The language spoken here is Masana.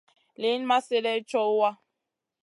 Liyn ma slèdeyn co wa.